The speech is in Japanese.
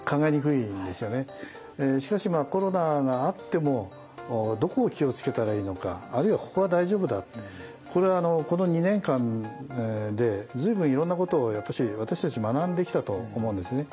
しかしコロナがあってもどこを気をつけたらいいのかあるいはここは大丈夫だこれはこの２年間で随分いろんなことをやっぱし私たち学んできたと思うんですね。